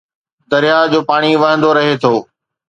درياهه جو پاڻي وهندو رهي ٿو